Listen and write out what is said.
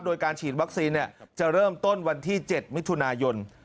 โดยการฉีดวัคซีนจะเริ่มต้นวันที่๗มิถุนายน